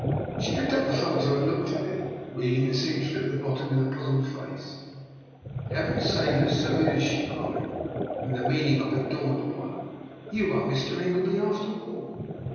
She picked up the photo and looked at it, reading the signature at the bottom with a puzzled face. "Heaven save us, so it is!" she cried, when the meaning of it dawned upon her. '* You are Mr. Ingleby, after all?